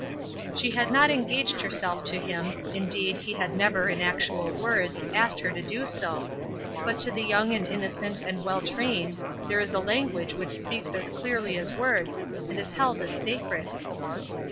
She had not engaged herself to him; indeed, he had never, in actual words, asked her to do so; but to the young and innocent and well trained there is a language which speaks as clearly as words, and is held as sacred.